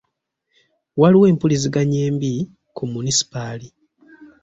Waliwo empuliziganya embi ku munisipaali.